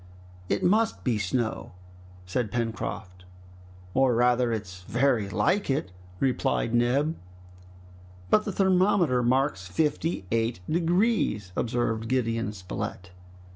"It must be snow!" said Pencroft. "Or rather it's very like it!" replied Neb. "But the thermometer marks fifty eight degrees!" observed Gideon Spilett.